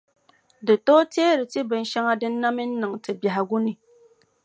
Di tooi teeri ti binʼ shɛŋa din na mi n-niŋ ti biɛhigu ni.